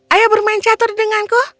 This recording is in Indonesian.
ayo bermain catur denganku